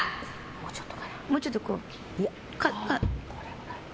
もうちょっとかな。